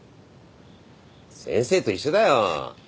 先生と一緒だよ。